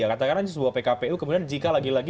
katakan aja sebuah pkpu kemudian jika lagi lagi